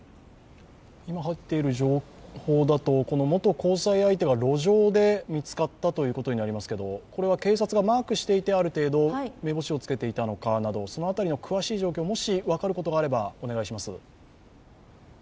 今、入っている情報だと、元交際相手が路上で見つかったということになりますけど、これは警察がマークしていて、ある程度目星をつけていたのかなど、その辺りの詳しい状況、もし分かることがあればお願いします。